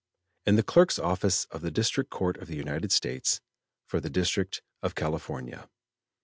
In the Clerk's Office of the District Court of the United States, for the District of California.